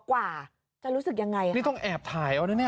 กว่าจะรู้สึกยังไงนี่ต้องแอบถ่ายเอานะเนี่ย